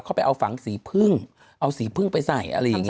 เขาไปเอาฝังสีพึ่งเอาสีพึ่งไปใส่อะไรอย่างนี้